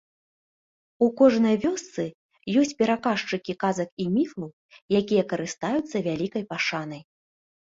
У кожнай вёсцы ёсць пераказчыкі казак і міфаў, якія карыстаюцца вялікай пашанай.